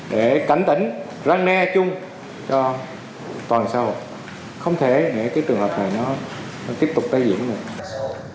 để cảnh tỉnh răn ne chung cho toàn xã hội không thể để cái trường hợp này nó tiếp tục tái diễn được